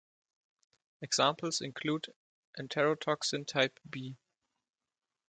Examples include enterotoxin type B.